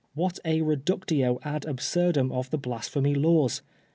What a reductio ad ahsvnrdtmi of the Blasphemy Laws